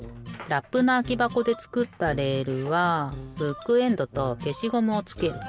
ラップのあきばこでつくったレールはブックエンドとけしゴムをつける。